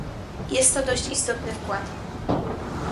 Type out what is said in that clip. Jest to dość istotny wkład